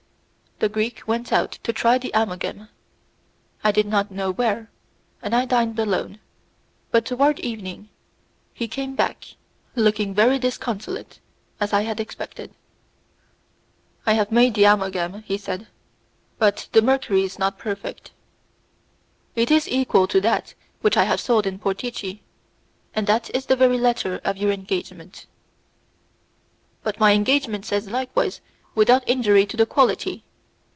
The Greek went out to try the amalgam I do not know where, and I dined alone, but toward evening he came back, looking very disconsolate, as I had expected. "I have made the amalgam," he said, "but the mercury is not perfect." "It is equal to that which I have sold in Portici, and that is the very letter of your engagement." "But my engagement says likewise without injury to the quality.